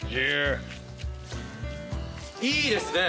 いいですね